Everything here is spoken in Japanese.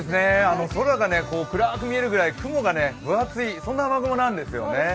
空が暗く見えるくらい雲が分厚い、雨雲なんですね。